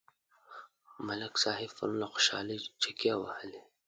ملک صاحب پرون له خوشحالۍ چکې وهلې.